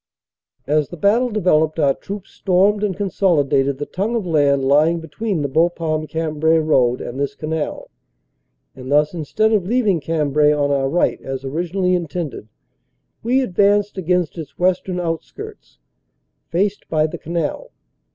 As the battle developed our troops stormed and consolid ated the tongue of land lying between the Bapaume Cambrai road and this canal, and thus, instead of leaving Cambrai on our right, as originally intended, we advanced against its west ern outskirts, faced by the canal.